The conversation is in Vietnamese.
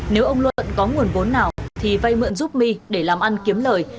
nếu ông luận có nguồn vốn nào thì vây mượn giúp my để làm ăn kiếm lời